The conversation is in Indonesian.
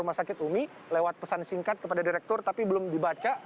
rumah sakit umi lewat pesan singkat kepada direktur tapi belum dibaca